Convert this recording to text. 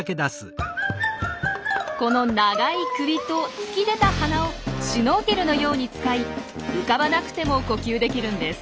この長い首と突き出た鼻をシュノーケルのように使い浮かばなくても呼吸できるんです。